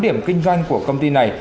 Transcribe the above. tám điểm kinh doanh của công ty này